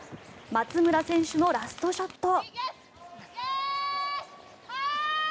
松村選手のラストショット。